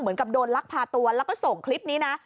เหมือนกับโดนลักพาตัวแล้วก็ส่งคลิปนี้นะ